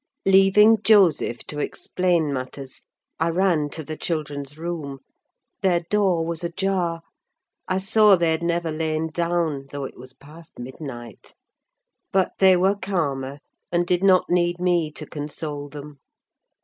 Leaving Joseph to explain matters, I ran to the children's room: their door was ajar, I saw they had never lain down, though it was past midnight; but they were calmer, and did not need me to console them.